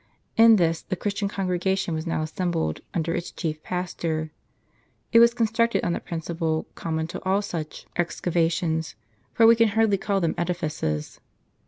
In this the Christian congi egation was now assembled, under its chief pastor. It was constructed on the principle com mon to all such excavations, for we can hardly call them edifices.